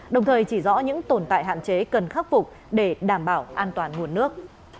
đồng thời chỉ rõ những tồn tại hạn chế cần khắc phục để đảm bảo an toàn nguồn nước